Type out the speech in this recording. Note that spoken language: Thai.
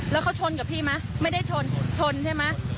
แล้วเขาชนกับพี่ไหมไม่ได้ชนชนใช่ไหม